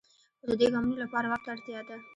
خو د دې ګامونو لپاره واک ته اړتیا ده.